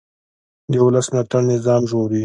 د ولس ملاتړ نظام ژغوري